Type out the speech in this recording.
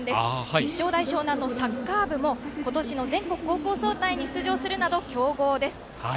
立正大淞南のサッカー部も今年の全国高校総体に出場するなど強豪です。